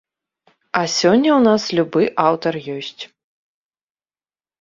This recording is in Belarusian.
А сёння ў нас любы аўтар ёсць.